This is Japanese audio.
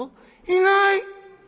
「いない！